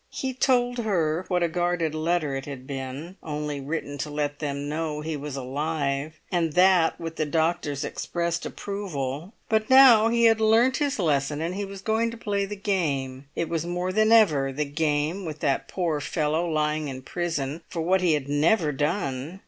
He told her what a guarded letter it had been, only written to let them know he was alive, and that with the doctor's expressed approval. But now he had learnt his lesson, and he was going to play the game. It was more than ever the game with that poor fellow lying in prison for what he had never done.